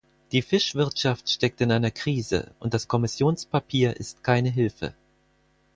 Die Fischwirtschaft steckt in einer Krise, und das Kommissionspapier ist keine Hilfe.